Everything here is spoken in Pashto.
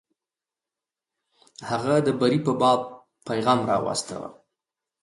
هغه د بري په باب پیغام واستاوه.